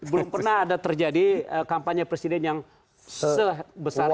belum pernah ada terjadi kampanye presiden yang sebesar besarnya